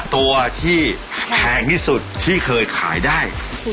ตัวที่แพงที่สุดที่เคยขายได้